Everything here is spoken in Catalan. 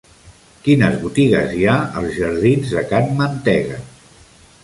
Quines botigues hi ha als jardins de Can Mantega?